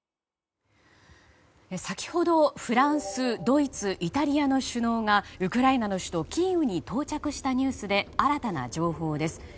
先ほどフランス、ドイツイタリアの首脳がウクライナの首都キーウに到着したニュースで新たな情報です。